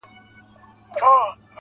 زه د ساقي تر احترامه پوري پاته نه سوم.